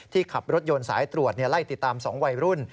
ขับรถยนต์สายตรวจไล่ติดตาม๒วัยรุ่น